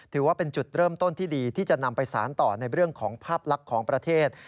ถือว่าเป็นจุดเริ่มต้นที่ดีที่จะนำไปสารต่อในเรื่องของภาพลักษณ์ของประเทศ